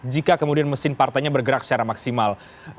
jika kemudian mesin partainya bergerak secara maksimal